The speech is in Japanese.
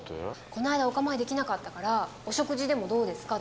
「この間お構い出来なかったからお食事でもどうですか」